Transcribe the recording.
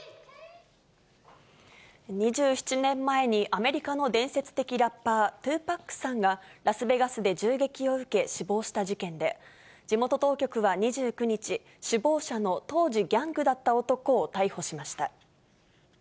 ２７年前にアメリカの伝説的ラッパー、２パックさんがラスベガスで銃撃を受け、死亡した事件で、地元当局は２９日、首謀者の当時ギャングだった男を逮捕しました。